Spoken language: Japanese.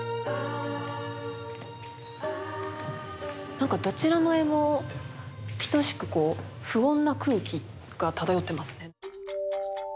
なんかどちらの絵も等しくこう不穏な空気が漂ってますね。